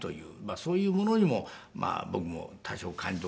そういうものにも僕も多少感動しましてね。